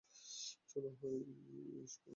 চলো হয় এসপার নয় ওসপার।